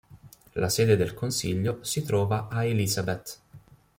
La sede del consiglio si trova a Elizabeth.